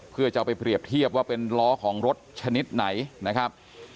เพื่อจะเอาไปเปรียบเทียบว่าเป็นล้อของรถชนิดไหนนะครับ